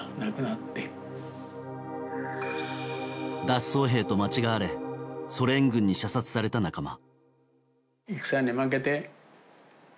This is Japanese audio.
脱走兵と間違われソ連軍に射殺された仲間。